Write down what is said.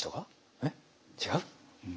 えっ違う？